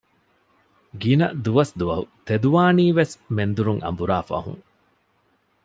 ގިނަ ދުވަސްދުވަހު ތެދުވާނީވެސް މެންދުރުން އަނބުރާ ފަހުން